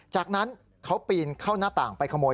จากนั้นเขาปีนเข้าหน้าต่างไปขโมย